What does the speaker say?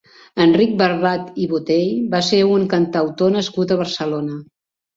Enric Barbat i Botey va ser un cantautor nascut a Barcelona.